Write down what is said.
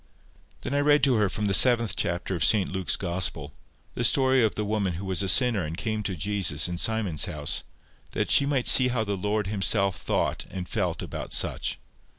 Then I read to her, from the seventh chapter of St Luke's Gospel, the story of the woman who was a sinner and came to Jesus in Simon's house, that she might see how the Lord himself thought and felt about such.